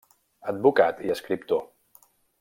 Advocat i escriptor.